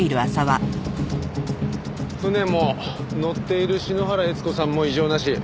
船も乗っている篠原悦子さんも異常なし。